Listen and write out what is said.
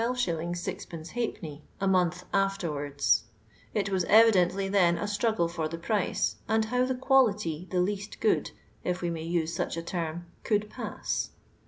(j\<L a month afterwards; it was evidently then a struggle for the price, and how the quality the least good (if we m^y use such a term) could pass.